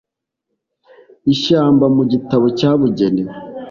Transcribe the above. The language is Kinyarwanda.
ishyamba mu gitabo cyabugenewe.